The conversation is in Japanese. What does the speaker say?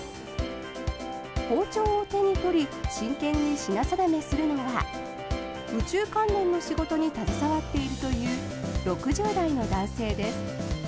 包丁を手に取り真剣に品定めするのは宇宙関連の仕事に携わっているという６０代の男性です。